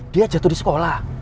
dia jatuh di sekolah